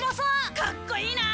かっこいいな。